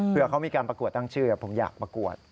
เพื่อเขามีการประกวดตั้งชื่อผมอยากประกวด